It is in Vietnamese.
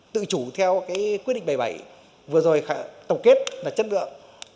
tự chủ theo cái quy định bảy mươi bảy vừa rồi tổng kết là chất lượng